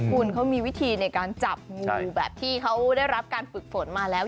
คุณเขามีวิธีในการจับงูแบบที่เขาได้รับการฝึกฝนมาแล้ว